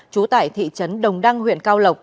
trú tại thị trấn đồng đăng huyện cao lộc